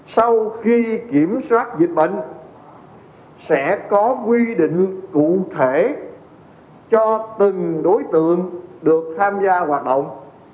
sau khi kiểm soát dịch bệnh sẽ có quy định cụ thể cho từng đối tượng được tham gia hoạt động